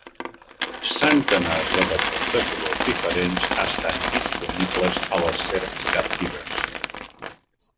Centenars de patrons de colors diferents estan disponibles a les serps captives.